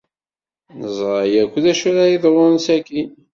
Neẓra akk d acu ara yeḍrun sakkin.